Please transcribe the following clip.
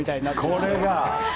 これが。